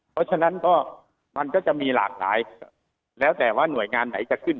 เพราะฉะนั้นก็มันก็จะมีหลากหลายแล้วแต่ว่าหน่วยงานไหนจะขึ้น